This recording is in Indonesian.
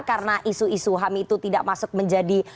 karena isu isu ham itu tidak masuk menjadi